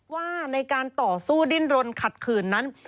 ว่าในการต่อสู้ดิ้นรนขัดขืนนั้น